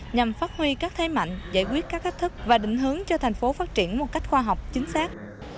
nhằm phát huy các thế mạnh giải quyết các thách thức và định hướng cho thành phố phát triển một cách khoa học chính xác